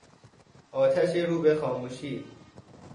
آتش رو به خاموشی